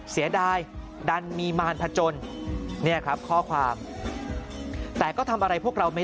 เสียดายดันมีมารพจนเนี่ยครับข้อความแต่ก็ทำอะไรพวกเราไม่